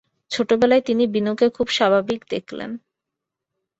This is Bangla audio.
ভোরবেলায় তিনি বিনুকে খুব স্বাভাবিক দেখলেন।